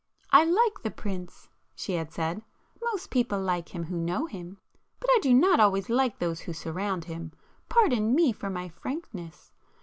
"I like the Prince,"—she had said—"Most people like him [p 334] who know him,—but I do not always like those who surround him,—pardon me for my frankness!